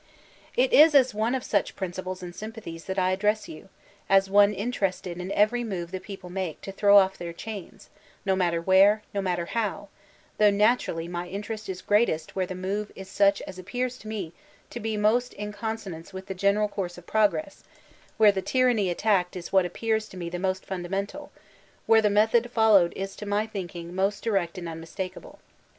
It is as one of sudi principles and sympathies that I address you, — as one interested in every move the people make to throw off their chains, no matter where, no mat ter how, — though naturally my interest is greatest where the move is such as appears to me to be most in conso nance with the general course of progress, where the tyranny attacked is what appears to me the most funda mental, where the method followed is to my thinking most direct and unmistakable.